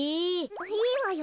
いいわよ。